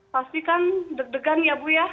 pasti kan deg degan ya bu ya